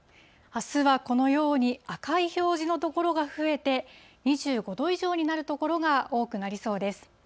あすはこのように赤い表示の所が増えて、２５度以上になる所が多くなりそうです。